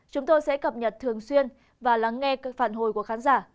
chúng tôi sẽ cập nhật thường xuyên và lắng nghe phản hồi của khán giả